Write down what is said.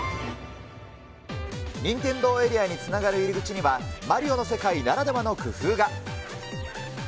任天堂エリアにつながる入り口には、マリオの世界ならではの工夫が。